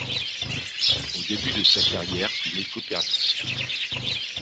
Au début de sa carrière, il est copernicien.